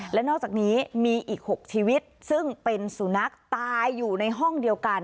และนอกจากนี้มีอีก๖ชีวิตซึ่งเป็นสุนัขตายอยู่ในห้องเดียวกัน